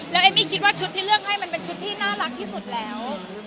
เอมมี่คิดว่าชุดที่เลือกให้มันเป็นชุดที่น่ารักที่สุดแล้ว